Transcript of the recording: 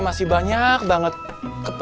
warangnya udah mau tutup